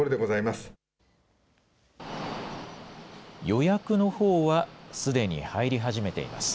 予約のほうはすでに入り始めています。